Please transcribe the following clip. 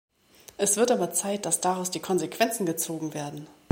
Es wird aber Zeit, dass daraus die Konsequenzen gezogen werden.